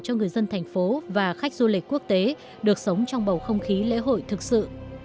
cho người dân thành phố và khách du lịch quốc tế được sống trong bầu không khí lễ hội thực sự